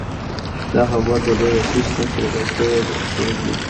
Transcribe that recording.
دا حبوبات په ډېر عصري سیسټم سره پاک شوي او په کڅوړو کې دي.